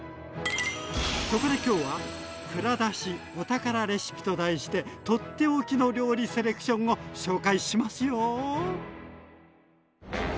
そこで今日はと題して取って置きの料理セレクションを紹介しますよ。